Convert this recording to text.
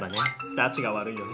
たちが悪いよね。